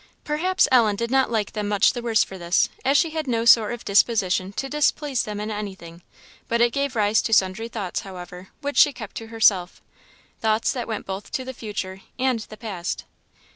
Perhaps Ellen did not like them much the worse for this, as she had no sort of disposition to displease them in anything; but it gave rise to sundry thoughts, however, which she kept to herself thoughts that went both to the future and the past.